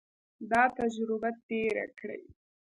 دا تجربه تېره کړي.